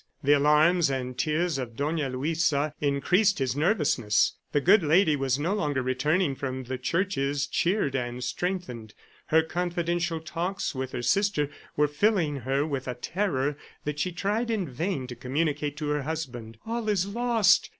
The alarms and tears of Dona Luisa increased his nervousness. The good lady was no longer returning from the churches, cheered and strengthened. Her confidential talks with her sister were filling her with a terror that she tried in vain to communicate to her husband. "All is lost.